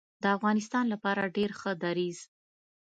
د افغانستان لپاره ډیر ښه دریځ